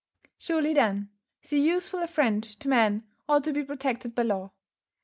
Surely, then, so useful a friend to man ought to be protected by law.